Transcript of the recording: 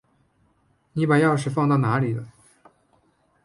你把钥匙放到哪里了？